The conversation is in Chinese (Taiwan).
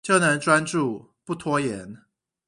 就能專注、不拖延